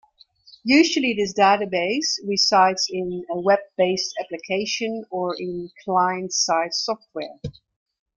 Usually this database resides in a web-based application or in client-side software.